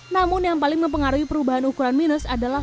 namun yang paling mempengaruhi perubahan ukuran minus adalah